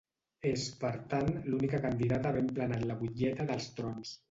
És, per tant, l'única candidata a haver emplenat la butlleta dels trons.